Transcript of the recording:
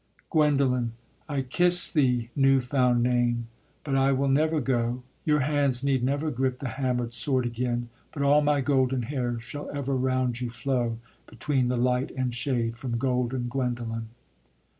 GUENDOLEN. I kiss thee, new found name! but I will never go: Your hands need never grip the hammer'd sword again, But all my golden hair shall ever round you flow, Between the light and shade from Golden Guendolen.